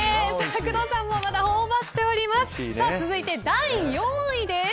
工藤さんもまだ頬張っております。